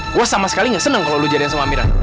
gue sama sekali nggak seneng kalau lo jadain sama amira